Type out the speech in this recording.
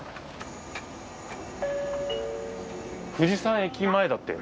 富士山駅前だって。